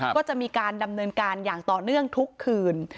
ก็จะมีการดำเนินการอย่างต่อเนื่องทุกคืน